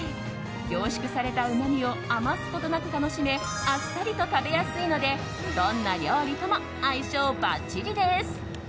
凝縮されたうまみを余すことなく楽しめあっさりと食べやすいのでどんな料理とも相性ばっちりです。